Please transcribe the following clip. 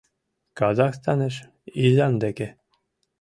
Казахстаныш, изам деке.